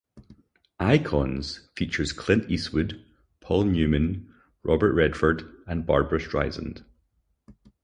"Icons" features Clint Eastwood, Paul Newman, Robert Redford, and Barbra Streisand.